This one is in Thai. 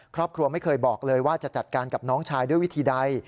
ครอบครัวไม่เคยบอกเลยว่าจะจัดการกับน้องชายด้วยวิธีใด